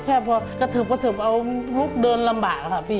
แค่พอกระทืบกระทืบเอาลุกเดินลำบากค่ะพี่